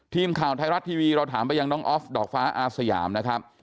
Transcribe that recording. ทีมข่าวไทยรัฐทีวีเราถามไปยังน้องออฟดอกฟ้าอาสยามนะครับ